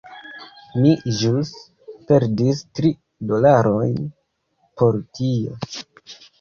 Mi ĵus perdis tri dolarojn por tio.